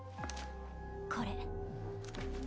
これ